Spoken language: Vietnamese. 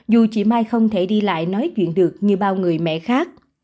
dù chị mai không thể đi lại nói chuyện được như bao người mẹ khác